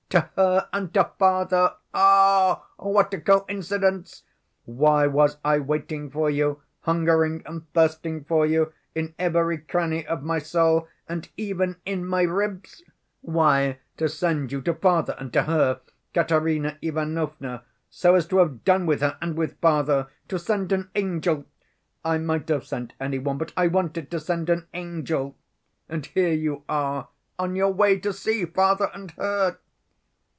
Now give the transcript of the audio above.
"To her, and to father! Oo! what a coincidence! Why was I waiting for you? Hungering and thirsting for you in every cranny of my soul and even in my ribs? Why, to send you to father and to her, Katerina Ivanovna, so as to have done with her and with father. To send an angel. I might have sent any one, but I wanted to send an angel. And here you are on your way to see father and her."